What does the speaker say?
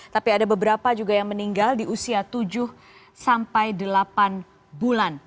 tapi ada beberapa juga yang meninggal di usia tujuh sampai delapan bulan